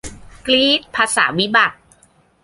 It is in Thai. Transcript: กรี๊ด ภาษาวิบัติ